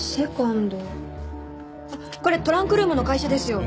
これトランクルームの会社ですよ。